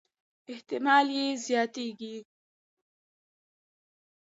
احتمالي یې زياتېږي.